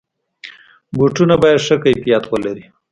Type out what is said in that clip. بوټونه باید ښه کیفیت ولري.